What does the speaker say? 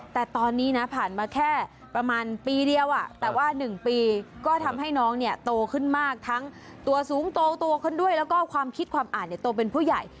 แต่ตอนนี้นะผ่านมาแค่ประมาณปีเดียวแต่ว่า๑ปีก็ทำให้น้องเนี่ยโตขึ้นมากทั้งตัวสูงโตขึ้นด้วยแล้วก็ความคิดความอ่านโตเป็นผู้ใหญ่